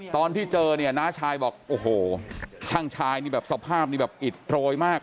ตอนที่เจอเนี่ยน้าชายบอกโอ้โหช่างชายนี่แบบสภาพนี้แบบอิดโรยมาก